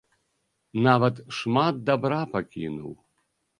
Нават шмат дабра пакінуў.